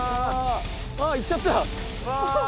あ行っちゃった。